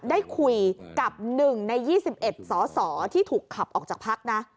ได้คุยกับ๑ใน๒๑สสที่ถูกขับออกจากพักนะ